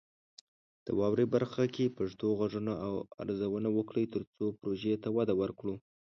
د "واورئ" برخه کې پښتو غږونه ارزونه وکړئ، ترڅو پروژې ته وده ورکړو.